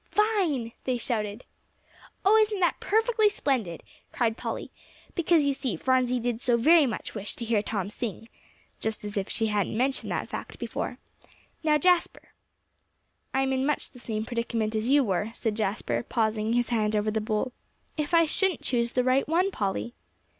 "Fine!" they shouted. "Oh, isn't that perfectly splendid?" cried Polly, "because, you see, Phronsie did so very much wish to hear Tom sing," just as if she hadn't mentioned that fact before. "Now, Jasper." "I'm in much the same predicament as you were," said Jasper, pausing, his hand over the bowl. "If I shouldn't choose the right one, Polly!"